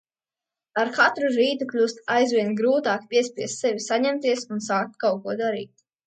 Ar katru rītu kļūst aizvien grūtāk piespiest sevi saņemties un sākt kaut ko darīt.